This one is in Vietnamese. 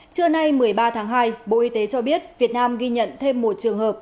trưa nay một mươi ba tháng hai bộ y tế cho biết việt nam ghi nhận thêm một trường hợp